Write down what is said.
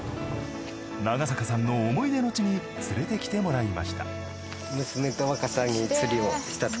長坂さんの思い出の地に連れてきてもらいました。